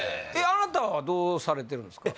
あなたはどうされてるんすか？